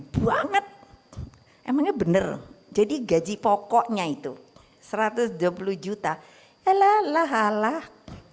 banget emangnya bener jadi gaji pokoknya itu satu ratus dua puluh juta lalala orang yang ablak itu banyak banget sekarang